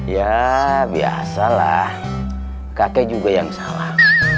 ya biasalah kakek juga yang salah